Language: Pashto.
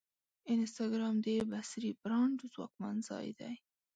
انسټاګرام د بصري برانډ ځواکمن ځای دی.